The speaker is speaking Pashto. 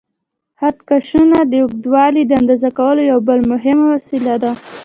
خط کشونه د اوږدوالي د اندازه کولو یو بل مهم وسیله ده.